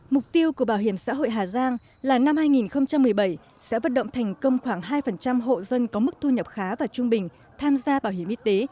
mục tiêu của bảo hiểm xã hội hà giang là năm hai nghìn một mươi bảy sẽ vận động thành công khoảng hai hộ dân có mức thu nhập khá và trung bình tham gia bảo hiểm y tế